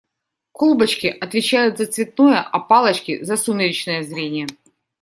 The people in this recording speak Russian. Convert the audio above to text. Колбочки отвечают за цветное, а палочки - за сумеречное зрение.